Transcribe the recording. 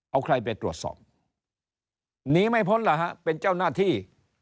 เอาใครไปตรวจสอบหนีไม่พ้นล่ะฮะเป็นเจ้าหน้าที่